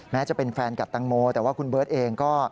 แม้จะเป็นแฟนกับตังโมแต่ว่าคุณเบิร์ตเองก็